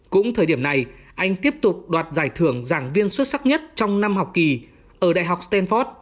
cũng thời điểm này anh tiếp tục đoạt giải thưởng giảng viên xuất sắc nhất trong năm học kỳ ở đại học stanford